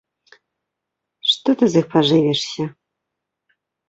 Што ты з іх пажывішся?